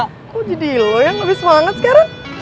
kok jadi lo yang lebih semangat sekarang